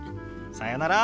さよなら！